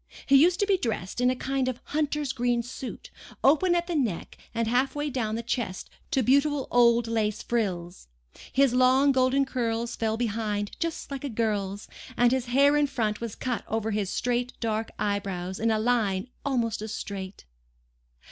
He used to be dressed in a kind of hunter's green suit, open at the neck and half way down the chest to beautiful old lace frills; his long golden curls fell behind just like a girl's, and his hair in front was cut over his straight dark eyebrows in a line almost as straight.